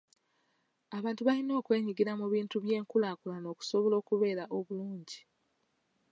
Abantu balina okwenyigira mu bintu by'enkulaakulana okusobola okubeera obulungi.